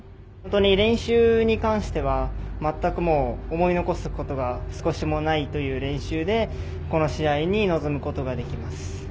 練習に関してはまったく思い残すことが少しもないという練習でこの試合に臨むことができます。